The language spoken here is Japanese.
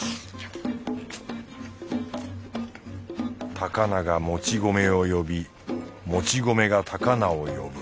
高菜がもち米を呼びもち米が高菜を呼ぶ。